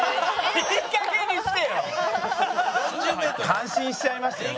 感心しちゃいましたよ。